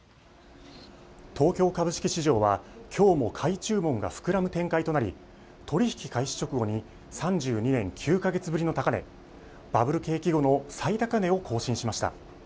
東京株式市場はきょうも買い注文が膨らむ展開となり取り引き開始直後に３２年９か月ぶりの高値、バブル景気後の最高値を更新しました。